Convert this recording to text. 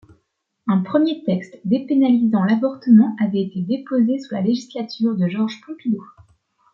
Un premier texte dépénalisant l'avortement avait été déposé sous la législature de Georges Pompidou.